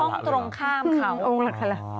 อันนี้เขาบอกห้องตรงข้ามเขา